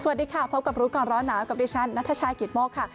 สวัสดีค่ะพบกับรู้ก่อนร้อนหนาวกับดิฉันนัทชายกิตโมกค่ะ